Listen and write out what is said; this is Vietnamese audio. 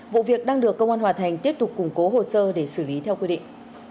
vụ việc đang được công an hòa thành tiếp tục củng cố hồ sơ để xử lý theo quy định